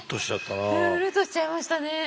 うるっとしちゃいましたね。